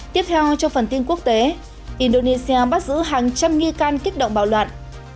tiếp theo trong phần tin quốc tế indonesia bắt giữ hàng trăm nghi can kích động bạo loạn